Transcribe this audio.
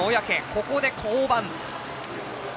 ここで降板。